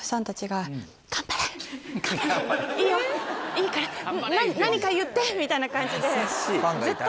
「いいよいいから何か言って！」みたいな感じで。